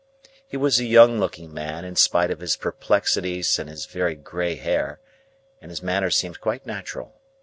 He was a young looking man, in spite of his perplexities and his very grey hair, and his manner seemed quite natural.